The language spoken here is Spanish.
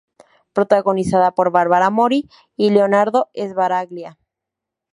Protagonizada por Bárbara Mori y Leonardo Sbaraglia.